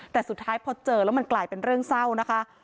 แต่สุดท้ายพอเจอแล้วมันกลายเป็นเรื่องเศร้านะคะ